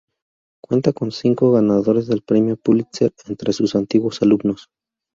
Cuenta con cinco ganadores del Premio Pulitzer entre sus antiguos alumnos.